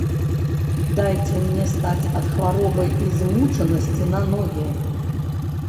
Дайце мне стаць ад хваробы і змучанасці на ногі.